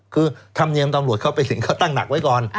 คือทำเงียบตำรวจเข้าไปเห็นเขาตั้งหนักไว้ก่อน